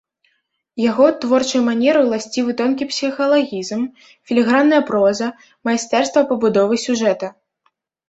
Яго творчай манеры ўласцівы тонкі псіхалагізм, філігранная проза, майстэрства пабудовы сюжэта.